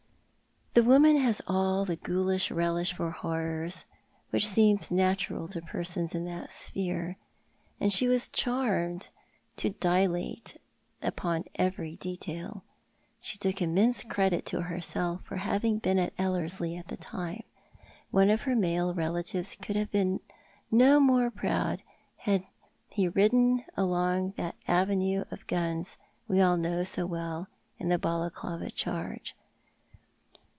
The woman lias all the glionlish relish for horrors which sc«ms natural to persons in that sphere, and she was charmed to dilate xipon every detail. She took immense credit to herself for having been at Ellerslie at the time. One of her male relatives could have been no more proud had he ridden along that avenue of guns we all know so well in the Balaclava charge.